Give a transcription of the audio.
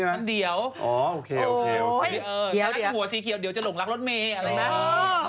ทาน้านก่อนจนหัวสีเขียวเดี๋ยวจะหลงรักรถเมฆ